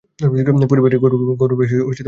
পরিবারের গৌরবেই তাহার স্বামীর গৌরব।